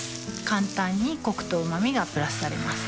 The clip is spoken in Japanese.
簡単にコクとうま味がプラスされます